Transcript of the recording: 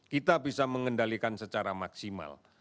kita bisa mengendalikan secara maksimal